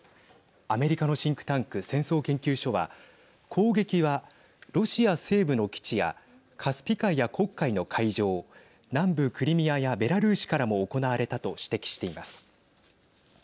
アメリカのシンクタンク戦争研究所は攻撃はロシア西部の基地やカスピ海や黒海の海上南部クリミアやベラルーシからも行われたと指摘しています。